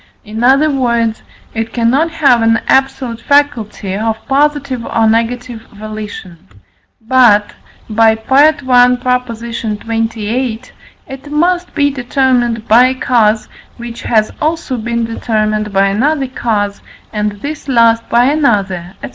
in other words, it cannot have an absolute faculty of positive or negative volition; but (by I. xxviii.) it must be determined by a cause, which has also been determined by another cause, and this last by another, &c.